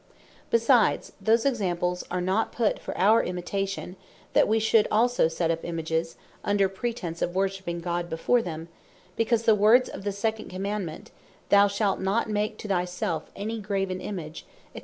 Besides, those examples are not put for our Imitation, that we also should set up Images, under pretence of worshipping God before them; because the words of the second Commandement, "Thou shalt not make to thy selfe any graven Image, &c."